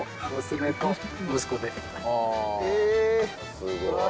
すごい。